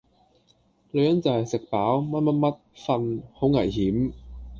女人就系食飽、乜乜乜、瞓!好危險!